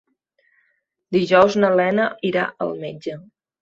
Dijous na Lena irà al metge.